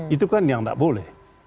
itu kan yang tidak boleh